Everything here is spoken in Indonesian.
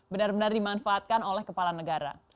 benar benar dimanfaatkan oleh kepala negara